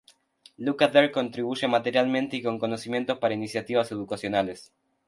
Lukather contribuye materialmente y con conocimientos para iniciativas educacionales.